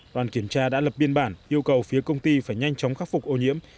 đoàn kiểm tra đã lập biên bản yêu cầu phía công ty phải nhanh chóng khắc phục ô nhiễm